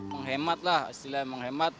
menghemat lah setidaknya menghemat